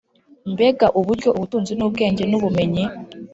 Mbega uburyo ubutunzi n ubwenge n ubumenyi